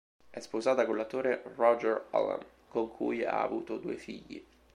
È sposata con l'attore Roger Allam, con cui ha avuto due figli.